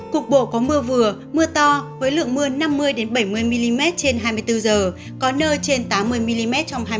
cục bộ có mưa vừa mưa to với lượng mưa năm mươi bảy mươi mm trên hai mươi bốn h có nơi trên tám mươi mm trong hai mươi